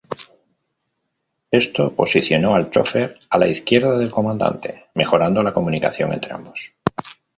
Esto posicionó al chofer a la izquierda del comandante, mejorando la comunicación entre ambos.